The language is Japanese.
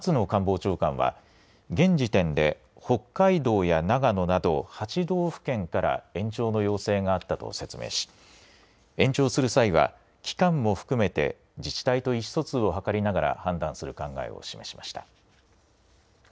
官房長官は現時点で北海道や長野など８道府県から延長の要請があったと説明し延長する際は期間も含めて自治体と意思疎通を図りながら判断する考えを示しました。